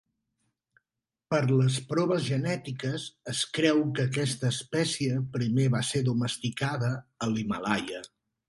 Per les proves genètiques es creu que aquesta espècie primer va ser domesticada a l'Himàlaia.